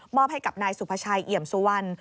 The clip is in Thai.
มอบให้กับนายสุพชัยเหยียมสุวรรณ